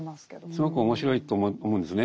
すごく面白いと思うんですね。